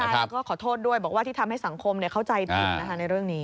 ก็ขอโทษด้วยบอกว่าที่ทำให้สังคมเข้าใจถึงในเรื่องนี้